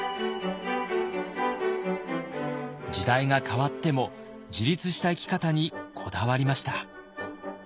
時代が変わっても自立した生き方にこだわりました。